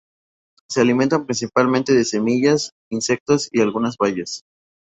Se alimentan principalmente de semillas, insectos y de algunas bayas.